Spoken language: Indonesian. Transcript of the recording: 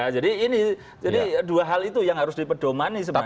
jadi ini dua hal itu yang harus dipedomani sebenarnya